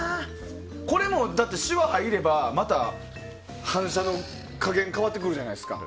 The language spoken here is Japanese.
これ、だって、しわ入ればまた反射の加減が変わってくるじゃないですか。